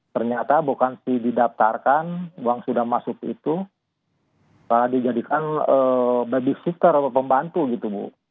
ternyata bukan si didaftarkan uang sudah masuk itu dijadikan babysitter atau pembantu gitu bu